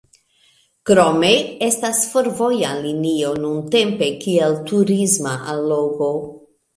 Krome estas fervoja linio nuntempe kiel turisma allogo.